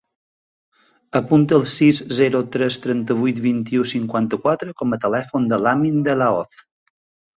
Apunta el sis, zero, tres, trenta-vuit, vint-i-u, cinquanta-quatre com a telèfon de l'Amin De La Hoz.